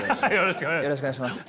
よろしくお願いします。